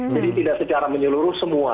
jadi tidak secara menyeluruh semua